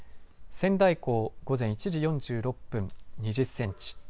仙台港午前１時４６分２０センチ